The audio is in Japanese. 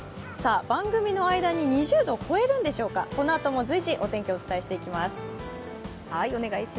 番組の間に２０度を超えるんでしょうか、このあとも随時お天気をお伝えしていきます。